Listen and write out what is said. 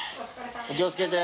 お気をつけて。